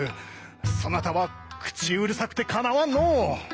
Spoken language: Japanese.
そなたは口うるさくてかなわんのう。